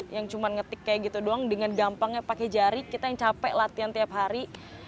yang cuma ngetik kayak gitu doang dengan gampangnya pakai jari kita yang capek latihan tiap hari